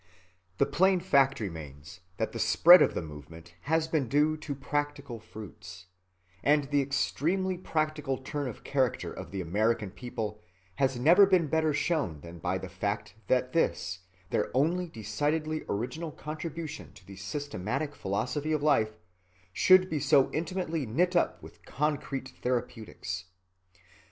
The plain fact remains that the spread of the movement has been due to practical fruits, and the extremely practical turn of character of the American people has never been better shown than by the fact that this, their only decidedly original contribution to the systematic philosophy of life, should be so intimately knit up with concrete therapeutics.